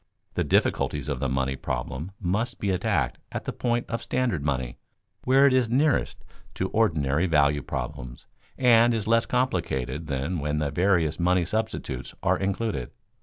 The difficulties of the money problem must be attacked at the point of standard money where it is nearest to ordinary value problems and is less complicated than when the various money substitutes are included.